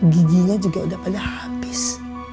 giginya juga udah pada habis